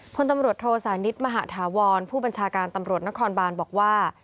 พลตำรวจโทสานิทมหาธาวรผู้บัญชาการตำรวจนครบานบอกว่า